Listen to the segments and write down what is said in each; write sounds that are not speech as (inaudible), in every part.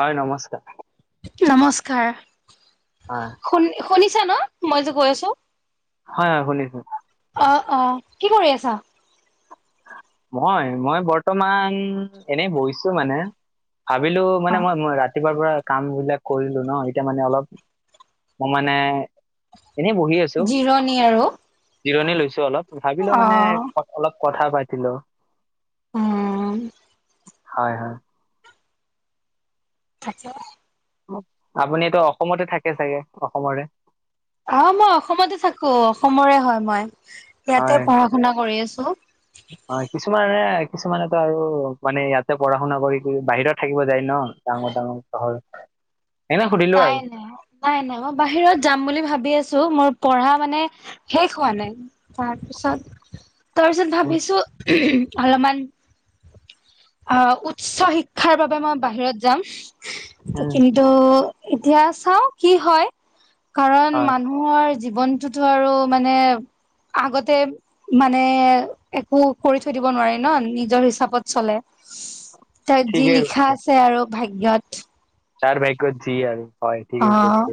হয় নমস্কাৰ। নমস্কাৰ হয় শুনি শুনিছে ন মই যে কৈ আছো? হয় হয় শুনিছোঁ। অ অ কি কৰি আছা? মই, মই বৰ্তমান এনেই বহিছো মানে- ভাবিলো মানে অ'। মই ম ৰাতিপুৱা ৰ পৰা কাম বিলাক কৰিলো ন এতিয়া মানে অলপ, মই মানে এনেই বহি আছো জিৰণি আৰু- জিৰণি লৈছো অলপ, ভাবিলো মানে অ'। অলপ কথা পাতি লও। উম' হয় হয়। থাকছে। আপুনি এইটো অসমতে থাকে চাগে অসমৰে? আহ' মই অসমতে থাকো অসমৰে হয় মই, ইয়াতে হয় পঢ়া শুনা কৰি আছো। অহ' হয় কিছুমানে কিছুমানেতো আৰু মানে ইয়াতে পঢ়া-শুনা কৰি, বাহিৰত থাকিব যায় ন ডাঙৰ ডাঙৰ চহৰ। এনে সুধিলো নাই আৰু নাই, নাই নাই মই বাহিৰত যাম বুলি ভাবি আছো। মোৰ পঢ়া মানে শেষ হোৱা নাই, তাৰ পিছত তাৰ পিছত উম ভাবিছো অলপমান অ' উচ্চ শিক্ষাৰ বাবে মই বাহিৰত যাম, উম কিন্তু এতিয়া চাও কি হয়, কাৰণ হয় মানুহৰ জীৱনটোতো আৰু মানে আগতে মানে একো কৰি থৈ দিব নোৱাৰি ন, নিজৰ হিচাপত চলে। ত যি ঠিকেই লিখা কৈছে আছে আৰু ভাগ্যত। যাৰ ভাগ্যত যি আৰু। হয় ঠিকে অহ, কৈছে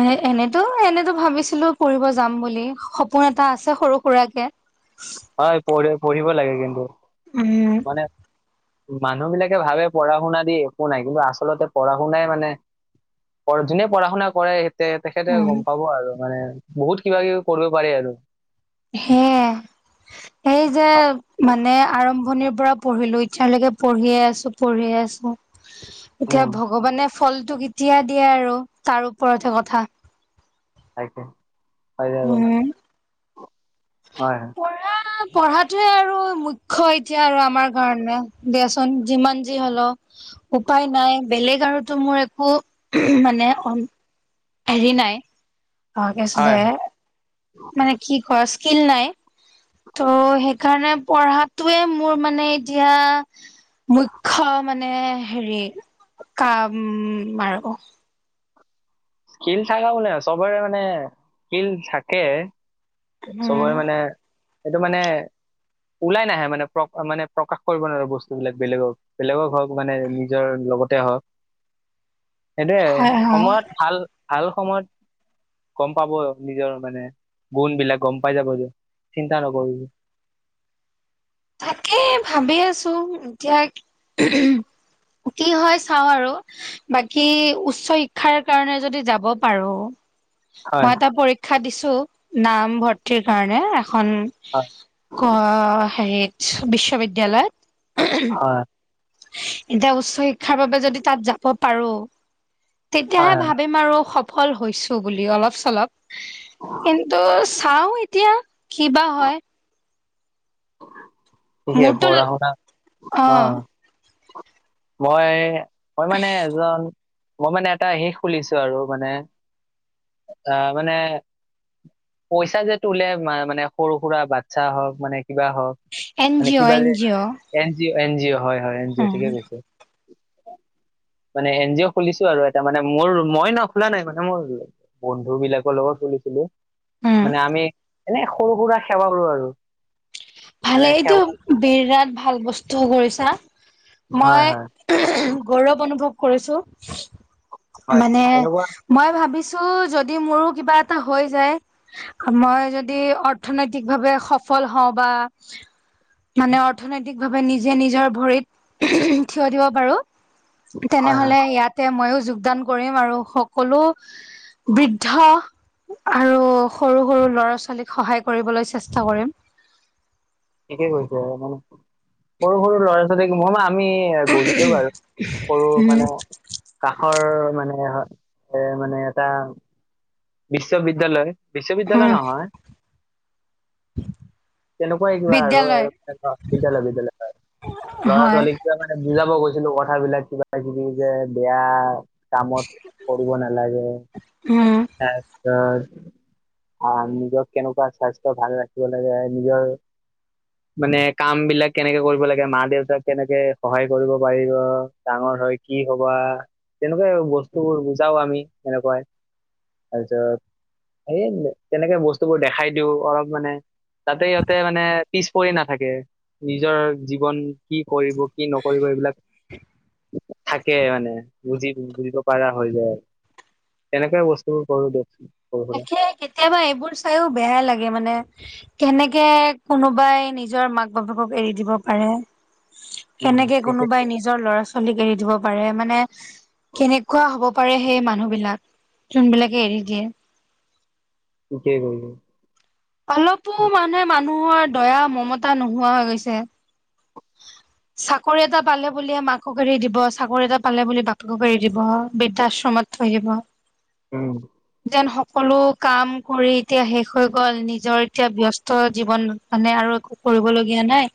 এনে - এনেতো এনে তো ভাবিছিলোঁ পঢ়িব যাম বুলি সপোন এটা আছে সৰু সুৰাকে। হয়, পঢ় পঢ়িব লাগে কিন্তু। উম, মানে মানুহ বিলাকে ভাবে পঢ়া -শুনা দি একো নাই কিন্তু আচলতে পঢ়া- শুনাই মানে পৰ যোনে পঢ়া-শুনা কৰে তে তেখেতে উম গম পাব আৰু মানে বহুত কিবা- কিবি কৰিব পাৰি আৰু। সেয়ে এই যে মানে আৰম্ভণিৰ পৰা পঢ়িলো এতিয়ালৈকে পঢ়িয়ে আছো -পঢ়িয়ে আছো এতিয়া উম ভগৱানে ফলটো কেতিয়া দিয়ে আৰু তাৰ ওপৰতহে কথা। (unintelligible) হয়', উম হয়', পঢ়াতোৱে আৰু মুখ্য এতিয়া আৰু আমাৰ কাৰণে দিয়াচোন যিমান যি হল উপায় নাই বেলেগ আৰুতো মোৰ একো মানে হেৰি নাই অহ কি আচিলে হয় হয়। মানে কি কয় শিল নাই ত' সেইকাৰণে পঢ়াতোৱে মোৰ মানে এতিয়া মুখ্য মানে হেৰি কাম আৰু স্কিল থাকা বো চবৰে মানে স্কিল থাকে উম চবৰে মানে সেইটো মানে ওলাই নাহে মানে প্ৰ মানে প্ৰকাশ কৰিব নোৱাৰো বস্তুবিলাক বেলেগক বেলেগৰ ঘৰক মানে নিজৰ লগতে হ (inaudible) সেইটোৱে হয় হয় সময়ত ভাল ভাল সময়ত গম পাব নিজৰ মানে গুণবিলাক গম পাই যাব যে চিন্তা নকৰিবি তাকে ভাবি আছো এতিয়া কি হয় চাওঁ আৰু বাকী উচ্চ শিক্ষাৰ কাৰণে যদি যাব পাৰো হয় মই এটা পৰীক্ষা দিছো নাম ভৰ্তিৰ কাৰনে ৰা এখন হয় ক হেৰিত বিশ্ব বিদ্যালয়ত। হয়। এতিয়া উচ্চ শিক্ষাৰ বাবে যদি তাত যাব পাৰো তেতিয়াহে হয় হয় ভাবিম আৰু সফল হৈছো বুলি অলপ- চলপ কিন্তু চাও এতিয়া কিবা হয়। ঠিকে মোৰতো পঢ়া- শুনা অ আ মই, মই মানে এজন মই মানে এটা হেই খুলিছো আৰু মানে আহ মানে পইচা যে তোলে মানে সৰু সুৰা বাচ্ছা হওক মানে কিবা হওক এন মানে জি অ' কিবা এন যে G O N G O -N G O হয়', হয় ', এন জি অ' উম ঠিকে কৈছে। (inaudible) মানে এন জি অ' খুলিছো আৰু এটা মানে মোৰ মই ন' খোলা নাই মানে মোৰ বন্ধু বিলাকৰ লগত উম (unintelligible) মানে আমি এনে সৰু সুৰা সেৱা কৰো আৰু। মানে ভালে সেৱা এইটো বিৰাট ভাল বস্তু কৰিছা হয় মই হয় গৌৰৱ অনুভৱ কৰিছো। হয় মানে এনেকুৱা মই ভাবিছো ছো যদি মোৰো কিবা এটা হৈ যায় মই যদি অৰ্থনৈতিক ভাৱে সফল সফল হওঁ বা মানে অৰ্থনৈতিক ভাৱে নিজে নিজৰ ভৰিত থিয় দিব পাৰো হয় হয় তেনেহলে ইয়াতে ময়ও যোগদান কৰিম আৰু সকলো বৃদ্ধ আৰু সৰু সৰু ল'ৰা ছোৱালীক সহায় কৰিবলৈ চেষ্টা কৰিম। ঠিকেই কইছে আৰু সৰু সৰু ল'ৰা ছোৱালীক মই মা- আমি গৈছোঁ বাৰু সৰু মানে কাষৰ- মানে এ মানে এটা বিশ্ববিদ্যালয় উম, বিশ্ববিদ্যালয় নহয়। তেনেকুৱাই কিবা আৰু বিদ্যালয় আৰু এনেকুৱা বিদ্যালয় বিদ্যালয় হয় ল'ৰা হয় ছোৱালীক মানে বুজাব গৈছিলোঁ কথাবিলাক কিবা কিবি যে বেয়া। কামত কৰিব নালাগে উম। তাৰপিছত। আৰু নিজৰ কেনেকুৱা স্বাস্থ্যৰ ভালে ৰাখিব লাগে নিজৰ। মানে কাম বিলাক কেনেকে কৰিব লাগে মা দেউতাক কেনেকে সহায় কৰিব পাৰিব ডাঙৰ। হয় কি হ'বা তেনেকুৱা বস্তুবোৰ বুজাওঁ আমি এনেকুৱাই। তাৰপিছত সে তেনেকে বস্তুবোৰ দেখাই দিওঁ অলপ মানে। তাতে ইহঁতে মানে পিছ পৰি নাথাকে নিজৰ জীৱন কি। কৰিব কি নকৰিব এইবিলাক থাকে মানে বুজি। বুজিব পাৰা হৈ যায় এনেকুৱা বস্তুবোৰ কৰোঁ দিয়কচোন। সৰু সুৰা তাকে কেতিয়াবা এইবোৰ চাইও বেয়া লাগে মানে। কেনেকে কোনোবাই নিজৰ মাক -বাপেকক এৰি দিব পাৰে। উম কেনেকে কোনোবাই নিজৰ ল'ৰা- ছোৱ চলিক এৰি দিব পাৰে মানে কেনেকুৱা হব পাৰে সেই মানুহ বিলাক। যোন বিলাকে এৰি দিয়ে। থিকেই কৰিলি। অলপো মানুহে মানুহৰ দয়া মমতা নোহোৱা হৈ গৈছে। (unintelligible) চাকৰি এটা পালে বুলি মাকক এৰি দিব চাকৰি এটা পালে বুলি বাপেকক এৰি দিব বিধ্যাশ্ৰমত। থৈ দিব। উম। তেন সকলো কাম কৰি এতিয়া শেষ হৈ গ'ল নিজৰ এতিয়া ব্যস্ত জীৱন মানে আৰু। একো কৰিবলীয়া নাই।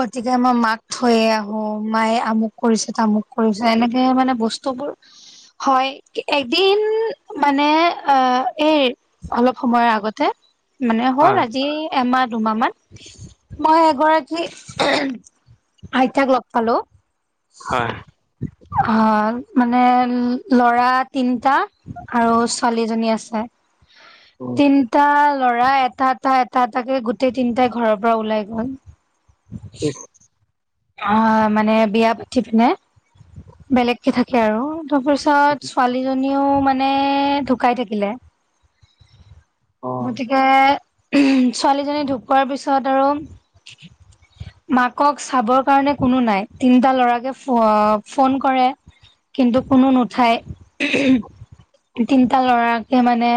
গতিকে মই মাক থৈয়ে আহো মায়ে আমুক কৰিছে তামুক কৰিছে এনেকে মানে বস্তু। (unintelligible) হয় এদিন মানে অ এইৰ অলপ সময়ৰ আগতে। মানে হ'ল হয় আজি এমাহ দুমাহ মান মই এগৰাকী। আইতাক লগ পালোঁ। হয়। অ মানে ল'ৰা তিনটা আৰু ছোৱালীএজনী আছে। উম তিনটা। ল'ৰা এটা এটা এটা এটাকে গোটেই তিনটাই ঘৰৰ পৰা ওলাই গ'ল। ইছ। অ মানে বিয়া পাতি পিনে বেলেগকে থাকে আৰু। তাৰপিছত ছোৱালীজনীও মানে ঢুকাই থাকিলে। অ গতিকে। ছোৱালীজনী ঢুকোৱাৰ পিছত আৰু মাকক চাবৰ। সেই কাৰণে কোনো নাই তিনটা ল'ৰাকে ফোন কৰে। কিন্তু কোনো নুঠাই তিনিটা লৰাকে মানে।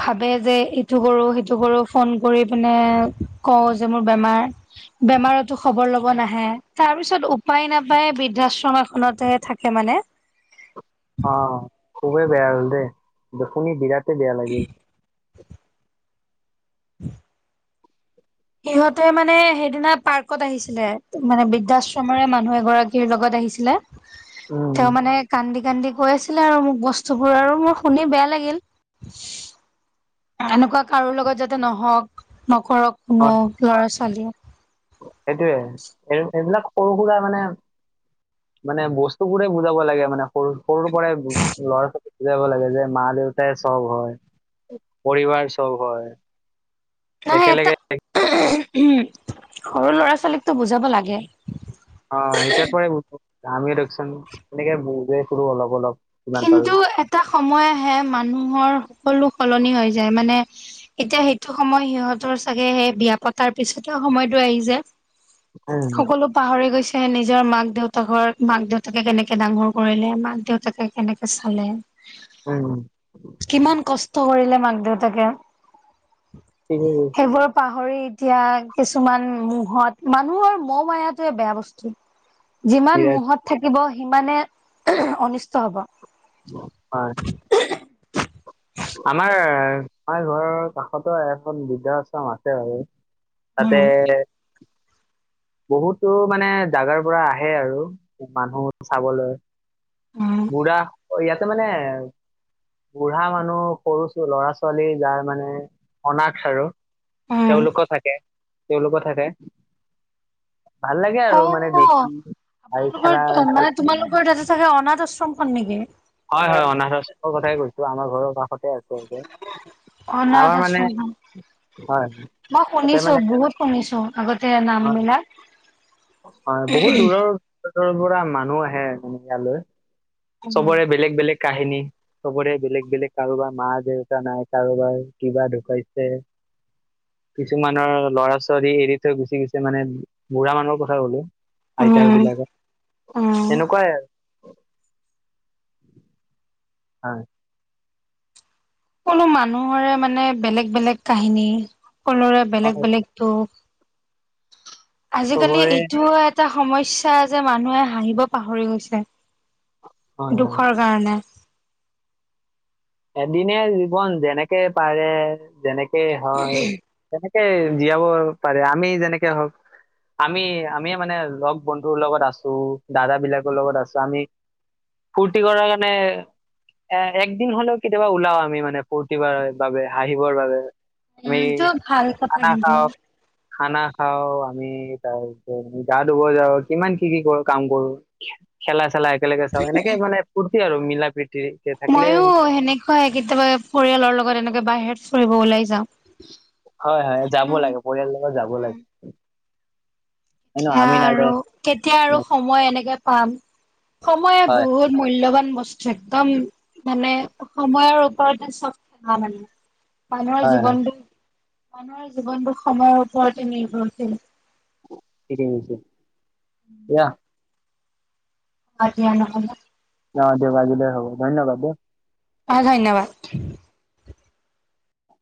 ভাবে যে এইটো কৰোঁ সেইটো কৰোঁ ফোন কৰি পিনে কওঁ যে মোৰ বেমাৰ। বেমাৰতো খবৰ ল'ব নাহে। নাহে তাৰ পিছত উপায় নাপায় বৃদ্ধাশ্ৰম এখনতে থাকে মানে। আহ খুবেই বেয়া হ'ল দেই দেখিনি বিৰাটেই বেয়া লাগিল। (unintelligible) সিহঁতে মানে সেইদিনা পাৰ্কত আহিছিলে মানে বৃদ্ধাশ্ৰমৰে মানুহ। এগৰাকী লগত আহিছিলে উম। তেওঁ মানে কান্দি কান্দি। হৈ আছিলে আৰু মোক বস্তুবোৰ আৰু মোৰ শুনি বেয়া লাগিল। এনেকুৱা কাৰো লগত যাতে নহওক নকৰক কোনো হয়, ল'ৰা ছোৱালীয়ে। সেইটোয়ে এই এইবিলাক সৰু সুৰা মানে। মানে বস্তু বোৰে বুজাব লাগে মানে সৰু সৰুৰ পৰাই ল'ৰা ছোৱালী বুজাব লাগে যে মাৰ। দেউতাই চব হয় পৰিবাৰ চব হয়। একেলগে। উম সৰু ল'ৰা ছোৱালীকতো বুজাব লাগে। অ এতিয়াৰ পৰা আমি দকচোন তেনেকে বুজাই ফো অলপ অলপ। যিমান পাৰো। কিন্তু এটা সময় আহে মানুহৰ। সকলো সলনি হৈ যায় মানে এতিয়া সেইটো সময় সিহঁতৰ চাগে সেই বিয়া পতাৰ পিছতে সময়তো আহি য উম, সকলো পাহৰি গৈছে। তে নিজৰ মাক দেউতাকৰ মাক দেউতাকে কেনেকে ডাঙৰ কৰিলে মাক দেউতাকে। কেনেকে চালে উম। কিমান কষ্ট কৰিলে মাক দেউতাকে ঠিকেই কৈছে। সেইবোৰ পাহৰি। এতিয়া কিছুমান মুহত মানুহৰ মুহ মায়াতোয়ে বেয়া বস্তু। যিমান বিৰাট মুহত থাকিব সিমানে অনিষ্ট হ'ব। হয়। আমাৰ আই ঘৰৰ কাষতো এখন বৃদ্ধাশ্ৰম আছে বাৰু। তাতে উম, (inaudible) বহুতো মানে জাগাৰ পৰা আহে আৰু মানুহ চাবলৈ। উম, বুঢ়া ইয়াতে মানে বুঢ়া মানুহ। টো সৰু ল'ৰা ছোৱালী যাৰ মানে অনাস আৰু উম, তেওঁলোকো থাকে তেওঁলোকো থাকে ভাল লাগে আৰু মানে দেখি। অ'। আৰু খেলা আপোনালোকৰ খেলা মানে তোমালোকৰ তাতে থাকে অনাথ আশ্ৰমখন নেকি হয় হয় অনাথ আশ্ৰম কথাই কৈছো আমাৰ ঘৰৰ কাষতে আছো। অনাথ আমাৰ মানে আশ্ৰমখন। হয় হয়। মই শুনিছো বহুত শুনিছো আগতে হয় নামবিলাক। হয় বহুত দূৰৰ। পৰা মানুহ আহে মানে ইয়ালৈ উম, চবৰে বেলেগ বেলেগ। কাহিনী চবৰে বেলেগ বেলেগ কাৰোবাৰ মা দেউতা নাই কাৰোবাৰ কিবা ঢুকাইছে। (inaudible) কিছুমানৰ লৰা ছোৱালী এৰি থৈ গুচি গৈছে মানে বুঢ়া মানুহৰ কথা হ'লো। আইতাৰ উম, বিলাকৰ উম, তেনেকুৱাই আৰু হয় সকলো মানুহৰে মানে বেলেগ বেলেগ কাহিনী সকলোৰে বেলেগ হয়, বেলেগ দুখ। আজিকালি চবৰে এইটোও এটা সমস্যয়া যে মানুহে হাঁহিব পাহৰি গৈছে। হয় হয় দুখৰ কাৰণে এদিনে জীৱন যেনেকে পাৰে যেনেকেই হয় তেনে। জীয়াব পাৰে আমি যেনেকে হওক। আমি আমি মানে লগ বন্ধুৰ লগত আছো দাদা বিলাকৰ লগত আছো আমি। ফূৰ্তি কৰাৰ কাৰণে একদিন হলেও। কেতিয়াবা ওলাও আমি মানে ফূৰ্তি কৰাৰ বাবে হাঁহিবৰ বাবে। আমি এইটো ভাল কথা খানা কিন্তু। খাও। খানা খাও আমি তাৰপিছত গা ধুব যাওঁ কিমান কি কি কৰো কাম কৰো খেলা চেলা একেলগে চাওঁ এনেকে মানে ফূৰ্তি আৰু মিলা প্ৰীতি থাকিলে। হয় কেতিয়াবা পৰিয়ালৰ লগত এনেকে বাহিৰত ফুৰিব ওলাই যাওঁ। হয় হয় যাব উম লাগে পৰিয়াল লগত যাব উম। লাগে। হয় ন এতিয়া আমি আৰু নাযায় কেতিয়া আৰু সময় এনেকে পাম। সময় হয় বহুত মূল্যবান বস্তু একদম মানে। সময়ৰ ওপৰতে চব কথা মানে মানুহৰ হয় হয় জীৱনটো মানুহৰ জীৱনবোৰ সময়ৰ ওপৰতে নিৰ্ভৰশীল। এয়া। অ ধিয় নহ'লে। অ দেউ বাজিলৈ হব ধন্যবাদ দ। অ ধন্যবাদ।